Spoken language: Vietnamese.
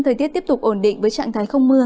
thời tiết tiếp tục ổn định với trạng thái không mưa